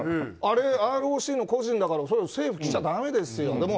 あれＲＯＣの個人だから政府来ちゃだめですよ。